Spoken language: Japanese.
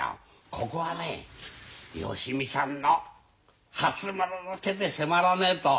ここはね芳美ちゃんの初物の手で迫らねえと。